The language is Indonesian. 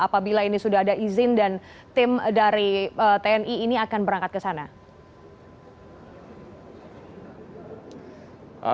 apabila ini sudah ada izin dan tim dari tni ini akan berangkat ke sana